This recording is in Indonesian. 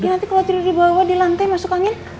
nanti kalau tidur di bawah di lantai masuk angin